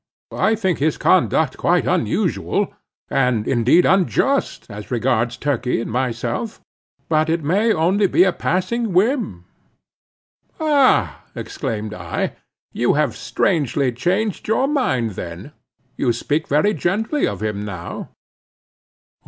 I think his conduct quite unusual, and indeed unjust, as regards Turkey and myself. But it may only be a passing whim." "Ah," exclaimed I, "you have strangely changed your mind then—you speak very gently of him now."